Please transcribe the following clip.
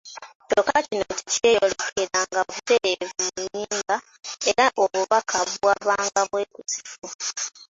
Kyokka kino tekyeyolekanga butereevu mu nnyimba era obubaka bwabanga bwekusiifu.